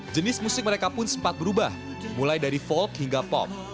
jenis musik mereka pun sempat berubah mulai dari folk hingga pop